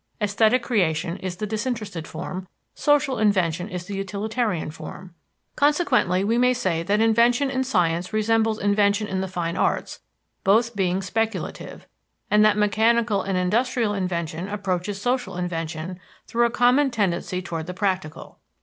Esthetic creation is the disinterested form, social invention is the utilitarian form. Consequently, we may say that invention in science resembles invention in the fine arts, both being speculative; and that mechanical and industrial invention approaches social invention through a common tendency toward the practical.